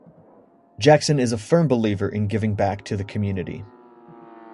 Jackson is a firm believer in giving back to the community.